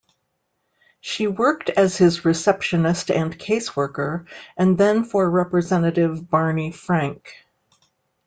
She worked as his receptionist and caseworker, and then for Representative Barney Frank.